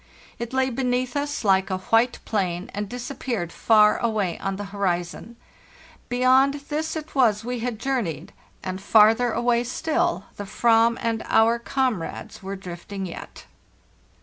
It lay beneath us like a white plain, and disappeared far away on the horizon. Beyond this it was we had journeyed, and farther away still the Aram and our comrades were drifting yet.